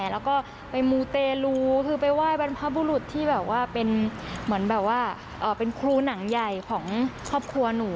แล้วไปมูเตรูว่าคุณพ่อบุรุษเป็นคลูหนังใหญ่ของครอกครัวหนู